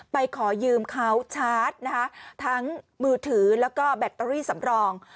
ไปขอยืมเขาชาร์จนะคะทั้งมือถือแล้วก็แบตเตอรี่สำรอง